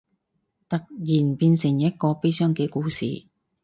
突然變成一個悲傷嘅故事